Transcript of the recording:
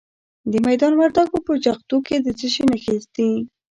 د میدان وردګو په جغتو کې د څه شي نښې دي؟